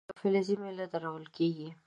یوه فلزي میله درول کیږي.